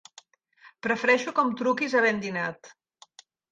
Prefereixo que em truquis havent dinat.